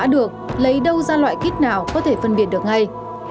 không được lấy đâu ra loại kits nào có thể phân biệt được ngay